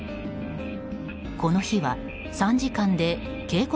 この日は３時間で警告